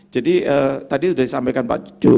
jadi tadi sudah disampaikan pak cucu